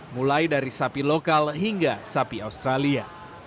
mulai dari sapi lokal hingga sapi australia